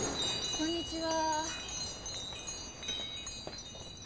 こんにちは。